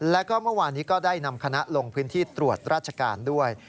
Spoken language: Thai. แล้วก็เมื่อวานนี้ก็ได้นำคณะลงพื้นที่ตรวจราชการด้วย